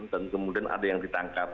dan kemudian ada yang ditangkap